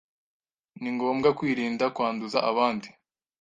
ni ngombwa kwirinda kwanduza abandi